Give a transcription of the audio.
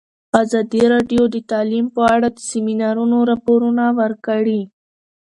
ازادي راډیو د تعلیم په اړه د سیمینارونو راپورونه ورکړي.